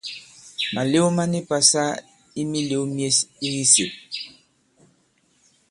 Màlew ma ni pasa i mīlēw myes i kisèp.